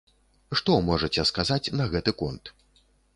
Што можаце сказаць на гэты конт?